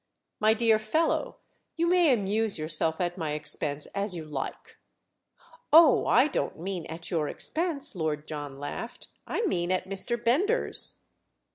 "My dear fellow, you may amuse yourself at my expense as you like!" "Oh, I don't mean at your expense," Lord John laughed—"I mean at Mr. Bender's!"